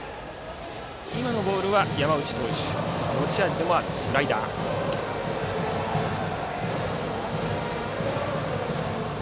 今のボールは山内投手の持ち味でもあるスライダーでした。